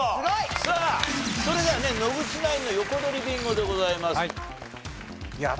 さあそれではね野口ナインの横取りビンゴでございます。